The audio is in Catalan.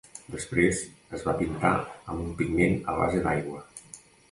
Després es va pintar amb un pigment a base d'aigua.